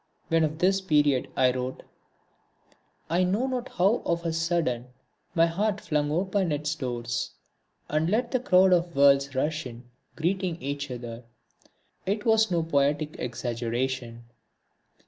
When of this period I wrote: I know not how of a sudden my heart flung open its doors, And let the crowd of worlds rush in, greeting each other, it was no poetic exaggeration.